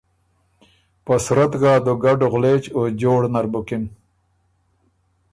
په صورت ګه ا دُوګډ غولېچ او جوړ نر بُکِن۔